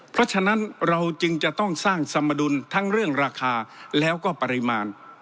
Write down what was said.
เพราะฉะนั้นเราจึงจะต้องสร้างสมดุลทั้งเรื่องราคาแล้วก็ปริมาณ